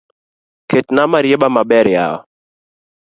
Ketna marieba maber yawa